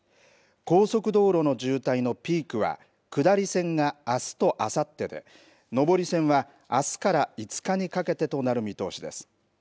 高速道路の渋滞のピークは、下り線があすとあさってで、上り線はあすから５日にかけてとなる見通しです。